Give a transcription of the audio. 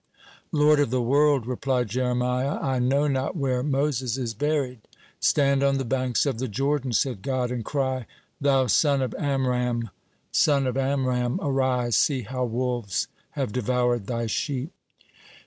"Lord of the world," replied Jeremiah, "I know not where Moses is buried." "Stand on the banks of the Jordan," said God, "and cry: 'Thou son of Amram, son of Amram, arise, see how wolves have devoured thy sheep.'"